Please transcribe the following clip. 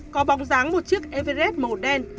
có bóng dáng một chiếc everest màu đen